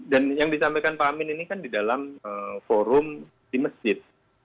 dan yang disampaikan pak amin ini kan di dalam forum di masjid